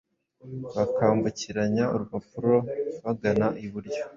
bakambukiranya urupapuro bagana iburyo,